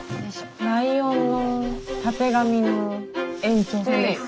ライオンのたてがみの延長線です。